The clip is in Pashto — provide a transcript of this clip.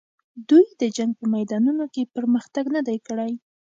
دوی د جنګ په میدانونو کې پرمختګ نه دی کړی.